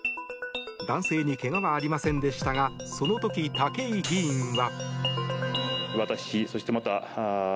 男性に怪我はありませんでしたがその時、武井議員は。